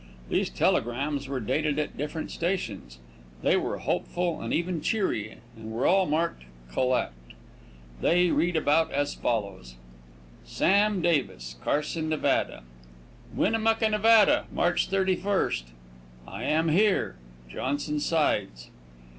These telegrams were dated at different stations. They were hopeful and even cheery, and were all marked "collect." They read about as follows: Sam Davis, Carson, Nev.: WINNEMUCCA, NEV., March 31. I am here. JOHNSON SIDES.